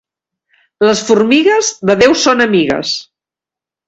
Les formigues, de Déu són amigues.